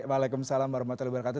waalaikumsalam warahmatullahi wabarakatuh